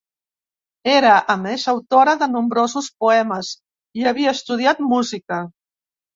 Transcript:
Era, a més, autora de nombrosos poemes i havia estudiat música.